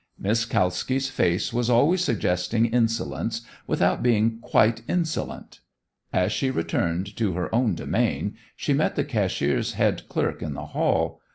Miss Kalski's face was always suggesting insolence without being quite insolent. As she returned to her own domain she met the cashier's head clerk in the hall.